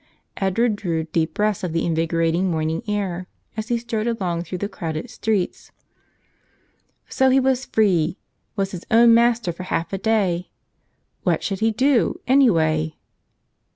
Edward drew 24 St, Anthony Again deep breaths of the invigorating morning air as he strode along through the crowded streets. So he was free, was his own master for half a day ! What should he do, anyway?